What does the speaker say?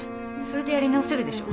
それでやり直せるでしょ？